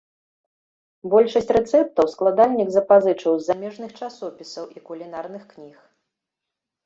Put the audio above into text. Большасць рэцэптаў складальнік запазычыў з замежных часопісаў і кулінарных кніг.